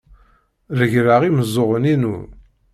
Regleɣ imeẓẓuɣen-inu.